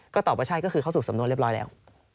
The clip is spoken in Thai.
ก็ตอบว่าใช่ก็คือเข้าสู่สำนวนเรียบร้อยแล้ว